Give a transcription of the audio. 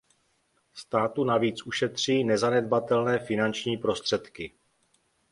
Státu navíc ušetří nezanedbatelné finanční prostředky.